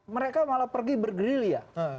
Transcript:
mereka malah pergi bergerilya